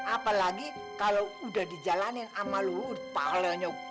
apalagi kalau udah dijalankan sama lu pahlanya gede